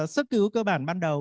sức cứu cơ bản ban đầu